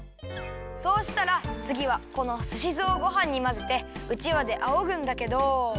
そうしたらつぎはこのすしずをごはんにまぜてうちわであおぐんだけど。